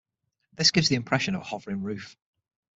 This gives the impression of a hovering roof.